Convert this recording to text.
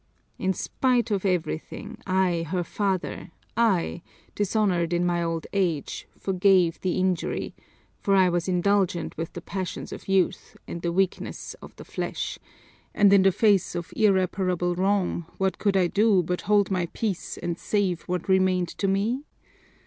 In spite of everything, I, her father, I, dishonored in my old age, forgave the injury, for I was indulgent with the passions of youth and the weakness of the flesh, and in the face of irreparable wrong what could I do but hold my peace and save what remained to me?